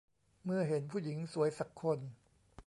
เมื่อเห็นผู้หญิงสวยสักคน